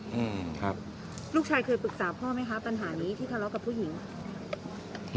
อืมครับลูกชายเคยปรึกษาพ่อไหมคะปัญหานี้ที่ทะเลาะกับผู้หญิง